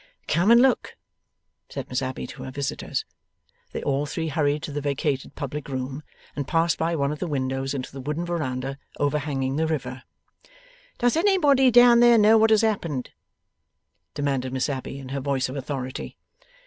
'Come and look,' said Miss Abbey to her visitors. They all three hurried to the vacated public room, and passed by one of the windows into the wooden verandah overhanging the river. 'Does anybody down there know what has happened?' demanded Miss Abbey, in her voice of authority.